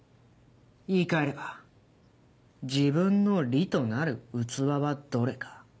言い換えれば自分の利となる器はどれか。